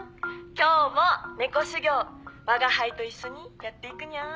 今日もネコ修行我が輩と一緒にやっていくにゃ」